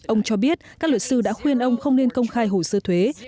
ông cho biết các luật sư đã khuyên ông không nên công khai hồ sơ thuế